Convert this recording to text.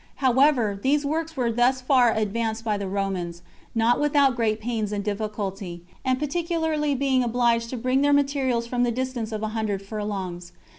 However, these works were thus far advanced by the Romans, not without great pains and difficulty, and particularly by being obliged to bring their materials from the distance of a hundred furlongs.